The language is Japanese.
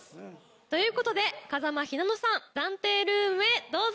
ということで風間ひなのさん暫定ルームへどうぞ。